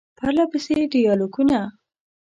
پرله پسې ډیالوګونه ،